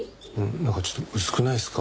なんかちょっと薄くないですか？